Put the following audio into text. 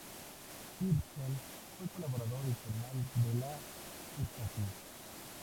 Kirsten fue colaborador informal de la Stasi.